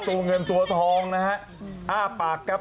ตัวเงินตัวทองนะครับ